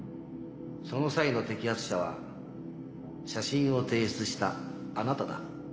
その際の摘発者は写真を提出したあなただ。